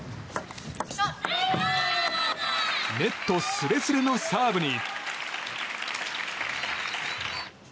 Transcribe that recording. ネットすれすれのサーブに。